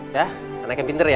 ya anak yang pinter ya